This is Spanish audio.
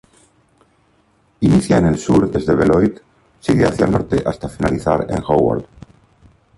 Inicia en el sur desde Beloit, sigue hacia el norte hasta finalizar en Howard.